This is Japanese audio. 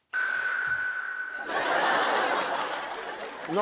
何？